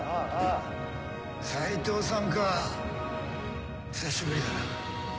斎藤さんか久しぶりだな。